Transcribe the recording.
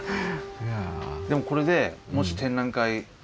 でもこれでもし展覧会。